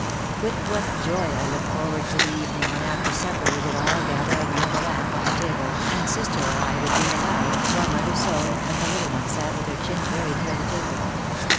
With what joy I looked forward to the evening when after supper we would all gather around the lamp on the table and sister or I would read aloud while mother sewed and the little ones sat with their chins very near the table.